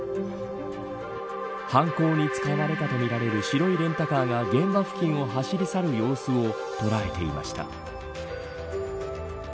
犯行に使われたとみられる白いレンタカーが現場付近を走り去る様子を捉えていました。